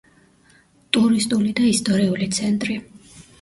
ტურისტული და ისტორიული ცენტრი.